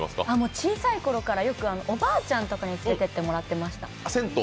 小さいころから、よくおばあちゃんとかに連れててってもらってました。